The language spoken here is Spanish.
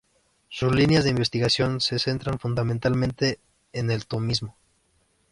Sus líneas de investigación se centran fundamentalmente en el tomismo.